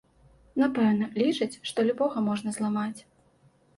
Напэўна, лічаць, што любога можна зламаць.